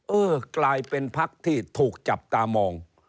เออกลายเป็นพักที่ถูกจับตามอง